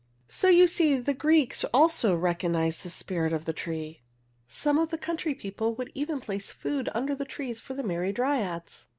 So you see the Greeks also recognized the spirit of the tree. Some of the country people would even place food under the trees for the merry Dryads.